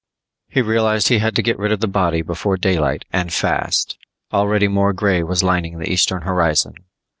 He realized he had to get rid of the body before daylight and fast! Already more grey was lining the eastern horizon.